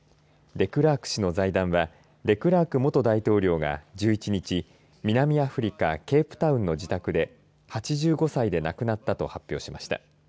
デクラーク氏の財団はデクラーク元大統領が１１日南アフリカケープタウンの自宅で８５歳で亡くなったと発表しました。